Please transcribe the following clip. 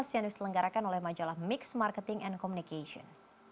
yang diselenggarakan oleh majalah mixed marketing and communication